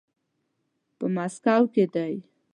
په ماسکو کې دی.